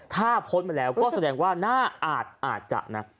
ถ้าพ้นมาแล้วก็แสดงว่าน่าอาจอาจจะนะ